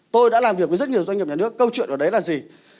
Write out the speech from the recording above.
tôi đã làm việc với rất nhiều doanh nghiệp nhà nước câu chuyện ở đấy là gì